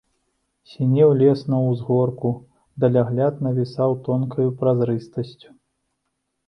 Сінеў лес на ўзгорку, далягляд навісаў тонкаю празрыстасцю.